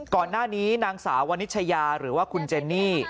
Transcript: ก่อนหน้านี้นางสาววันนิชยาหรือว่าคุณเจนี่